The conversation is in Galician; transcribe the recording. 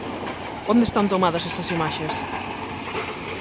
Onde están tomadas esas imaxes?